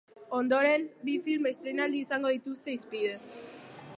Ondoren, bi film estreinaldi izango dituzte hizpide.